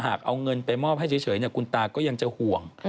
เอาเงินไปมอบให้เฉยคุณตาก็ยังจะห่วง